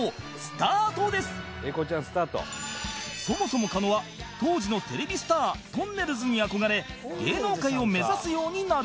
「英孝ちゃんスタート」そもそも狩野は当時のテレビスターとんねるずに憧れ芸能界を目指すようになる